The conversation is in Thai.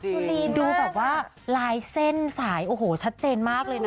คุณลีนดูแบบว่าลายเส้นสายโอ้โหชัดเจนมากเลยนะ